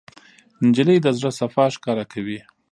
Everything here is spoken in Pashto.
نجلۍ د زړه صفا ښکاره کوي.